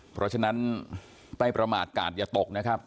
เพราะฉะนั้นไม่ประมาทกาดอย่าตกนะครับ